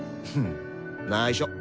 ないしょ。